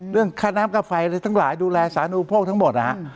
เรื่องค่าน้ำกล้าไฟทั้งหลายดูแลสาธารณูพวกทั้งหมด